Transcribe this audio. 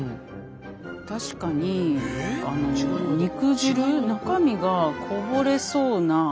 確かに肉汁中身がこぼれそうな。